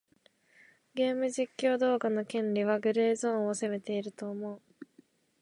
ゲーム実況動画の権利はグレーゾーンを攻めていると思う。